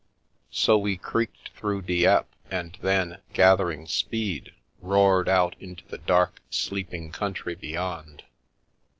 So we creaked through Dieppe and then, gathering speed, roared out into the dark, sleeping country beyond.